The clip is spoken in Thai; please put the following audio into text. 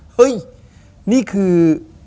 เฮ้ยนี่คือ